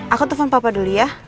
aku telepon papa dulu ya